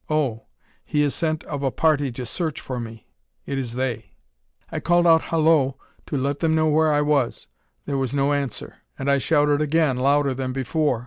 Oh! he has sent of a party to search for me: it is they." I called out "Hollo!" to let them know where I was. There was no answer; and I shouted again, louder than before.